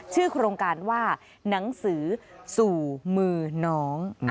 ชื่อโครงการว่าหนังสือสู่มือน้อง